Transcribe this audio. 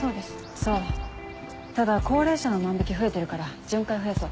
そうただ高齢者の万引増えてるから巡回増やそう。